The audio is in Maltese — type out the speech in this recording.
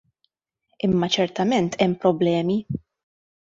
Imma ċertament hemm problemi.